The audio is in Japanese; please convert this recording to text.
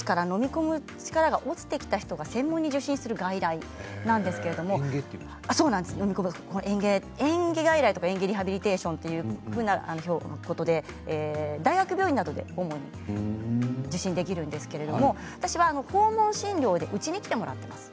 かむ力、飲み込む力が落ちてきた人が専門に受診する外来なんですけれどもえん下外来とかえん下リハビリテーションということで大学病院などで主に受診できるんですけれども私の訪問診療でうちに来てもらっています。